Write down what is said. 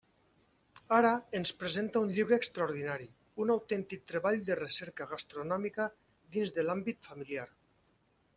Ara ens presenta un llibre extraordinari, un autèntic treball de recerca gastronòmica dins de l'àmbit familiar.